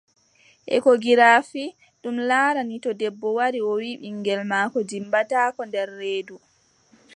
Ekogirafi, ɗum laarani to debbo wari o wii ɓiŋngel maako dimmbataako nder reedu,